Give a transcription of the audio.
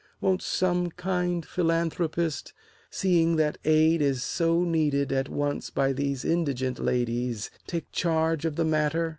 Won't some kind philanthropist, seeing that aid is So needed at once by these indigent ladies, Take charge of the matter?